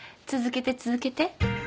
続けて続けて。